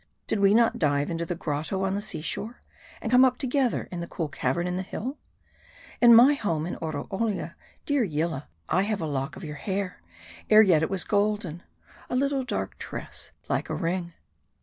Did we not dive into the grotto on the sea shore, and come up together in the cool cavern in the hill ? In my home in Oroolia, dear Yillah, I have a lock of your hair, ere yet it was golden : a little dark tress like a ring.